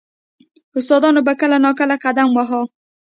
• استادانو به کله نا کله قدم واهه.